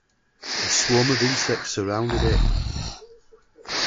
A swarm of insects surround it.